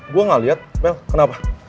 gue gak lihat mel kenapa